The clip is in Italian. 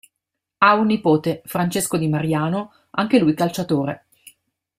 Ha un nipote, Francesco Di Mariano, anche lui calciatore.